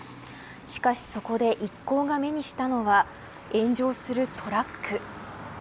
しかしそこで一行が目にしたのは炎上するトラック。